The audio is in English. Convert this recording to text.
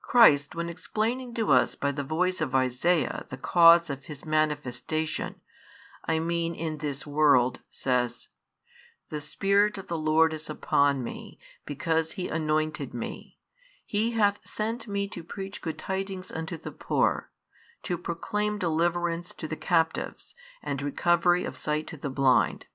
Christ, when explaining to us by the voice of Isaiah the |59 cause of His manifestation, I mean in this world, says: The Spirit of the Lord is upon Me, because He anointed Me: He hath sent Me to preach good tidings unto the poor to proclaim deliverance to the captives, and recovery of sight to the blind.